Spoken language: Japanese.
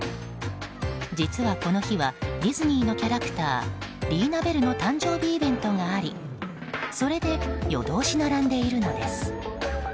実はこの日はディズニーのキャラクターリーナ・ベルの誕生日イベントがありそれで夜通し並んでいるのです。